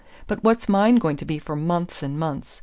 But what's mine going to be for months and months?